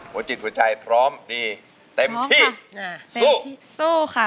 หัวจิตหัวใจพร้อมมีเต็มที่สู้